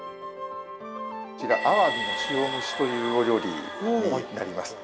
こちら鮑の塩蒸しというお料理になります。